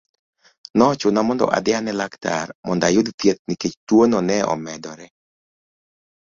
Nochuna mondo adhi ane laktar, mondo ayud thieth nikech tuono ne medore.